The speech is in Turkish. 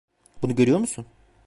Bunu görüyor musun?